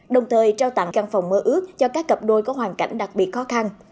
đồng thời trao tặng căn phòng mơ ước cho các cặp đôi có hoàn cảnh đặc biệt khó khăn